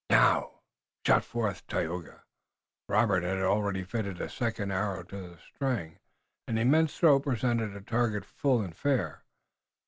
"Now!" shot forth Tayoga. Robert had already fitted a second arrow to the string and the immense throat presented a target full and fair.